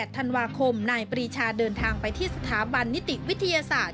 ธันวาคมนายปรีชาเดินทางไปที่สถาบันนิติวิทยาศาสตร์